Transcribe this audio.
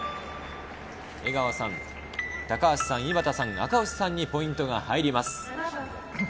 江川さん、高橋さん、井端さん、赤星さんにポイントが入ります。